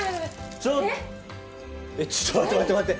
ちょっちょっと待って待って待って！